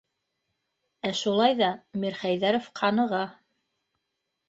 Ә шулай ҙа Мирхәйҙәров ҡаныға...